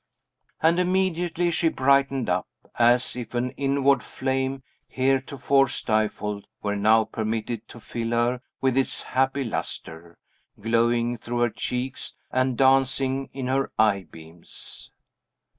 And immediately she brightened up, as if an inward flame, heretofore stifled, were now permitted to fill her with its happy lustre, glowing through her cheeks and dancing in her eye beams.